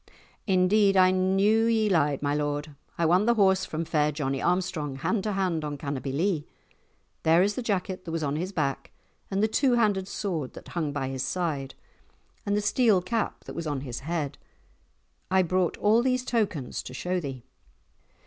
"Indeed, I knew ye lied, my lord. I won the horse from fair Johnie Armstrong hand to hand on Cannobie Lee. There is the jacket that was on his back, and the two handed sword that hung by his side, and the steel cap that was on his head. I brought all these tokens to show thee."